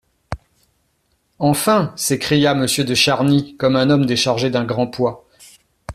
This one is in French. Enfin ! s'écria Monsieur de Charny comme un homme déchargé d'un grand poids.